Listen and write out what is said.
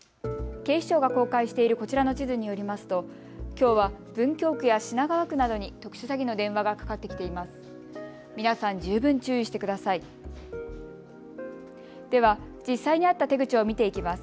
警視庁が公開しているこちらの地図によりますときょうは文京区や品川区などに特殊詐欺の電話がかかってきています。